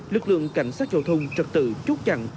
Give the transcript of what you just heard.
lực lượng cảnh sát giao thông trật tự chốt chặn